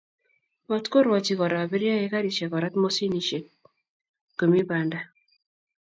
Matkorwochi Kora abiriaek garisiek korat moshinishek komi banda